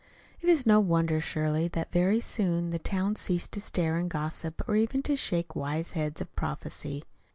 It is no wonder, surely, that very soon the town ceased to stare and gossip, or even to shake wise heads of prophecy.